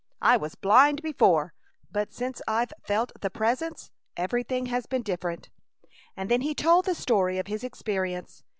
I was blind before, but since I've felt the Presence everything has been different." And then he told the story of his experience.